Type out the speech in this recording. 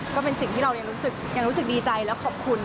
ก็เป็นสิ่งที่เรายังรู้สึกดีใจและขอบคุณ